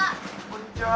こんにちは！